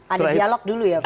ada dialog dulu ya pak